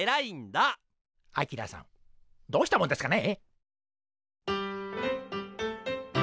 アキラさんどうしたもんですかね？